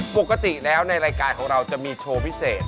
ปกติแล้วในรายการของเราจะมีโชว์พิเศษ